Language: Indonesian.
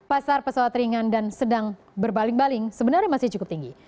pasar pesawat ringan dan sedang berbaling baling sebenarnya masih cukup tinggi